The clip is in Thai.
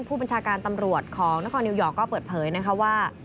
ผู้บัญชาการตำรวจของนครนิวยอร์กก็เปิดเผยนะคะว่า